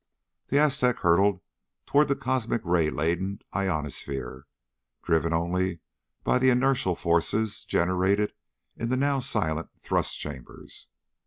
The Aztec hurtled toward the cosmic ray laden ionosphere, driven only by the inertial forces generated in the now silent thrust chambers.